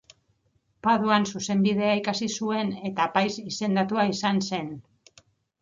Paduan zuzenbidea ikasi zuen eta apaiz izendatua izan zen.